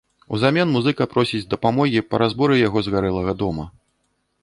Узамен музыка просіць дапамогі па разборы яго згарэлага дома.